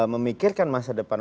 memikirkan masa depan